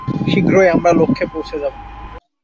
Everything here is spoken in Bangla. শীঘ্রই আমরা লক্ষ্যে পোঁছে যাব।